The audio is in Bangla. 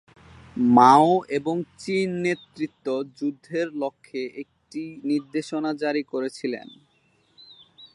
মাও এবং চীন নেতৃত্ব যুদ্ধের লক্ষ্যে একটি নির্দেশনা জারি করেছিলেন।